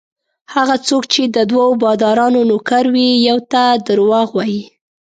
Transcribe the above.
هغه څوک چې د دوو بادارانو نوکر وي یوه ته درواغ وايي.